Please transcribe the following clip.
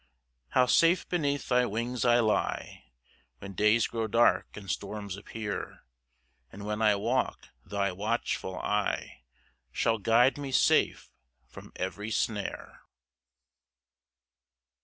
4 How safe beneath thy wings I lie, When days grow dark, and storms appear! And when I walk, thy watchful eye Shall guide me safe from every snare.